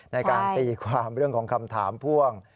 ในการตีความเรื่องของคำถามพ่วง